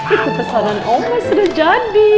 itu pesanan oma sudah jadi